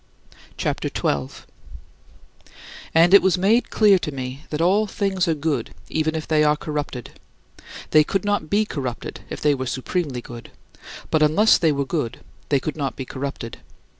CHAPTER XII 18. And it was made clear to me that all things are good even if they are corrupted. They could not be corrupted if they were supremely good; but unless they were good they could not be corrupted.